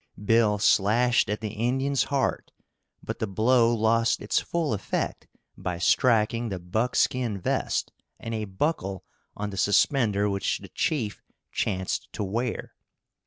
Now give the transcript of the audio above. Bill slashed at the Indian's heart, but the blow lost its full effect by striking the buckskin vest and a buckle on the suspender which the chief chanced to wear.